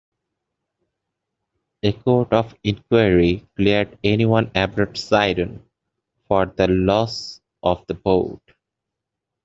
A court of inquiry cleared anyone aboard "Sidon" for the loss of the boat.